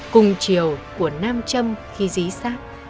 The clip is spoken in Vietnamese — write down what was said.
cùng chiều của nam châm khi dí xác